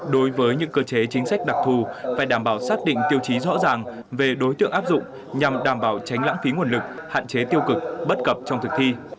đối với những cơ chế chính sách đặc thù phải đảm bảo xác định tiêu chí rõ ràng về đối tượng áp dụng nhằm đảm bảo tránh lãng phí nguồn lực hạn chế tiêu cực bất cập trong thực thi